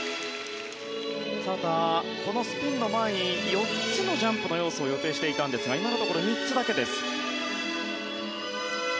ただ、このスピンの前に４つのジャンプの要素を予定していたんですが今のところ３つだけです。